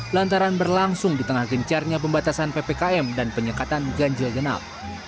lantaran berlangsung di tengah gencarnya pembatasan ppkm dan penyekatan ganjil genap